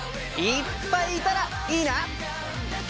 いっぱいいたらいいな！